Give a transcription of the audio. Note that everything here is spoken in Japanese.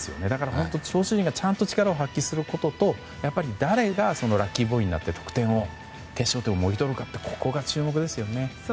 投手陣が力を発揮することとやっぱり誰がラッキーボーイになって決勝点をもぎ取るかというのが注目ですね。